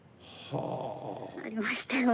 はあ。